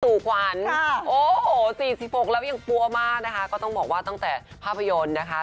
สู่ขวัญโอ้โห๔๖แล้วยังปั๊วมากนะคะก็ต้องบอกว่าตั้งแต่ภาพยนตร์นะคะ